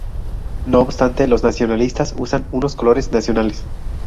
No obstante los nacionalistas usan unos colores nacionales.